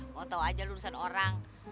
mau tau aja lu urusan orang